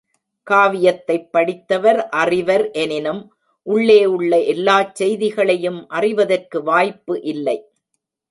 காவியத்தைப் படித்தவர் அறிவர் எனினும் உள்ளே உள்ள எல்லாச் செய்திகளையும் அறிவதற்கு வாய்ப்பு இல்லை.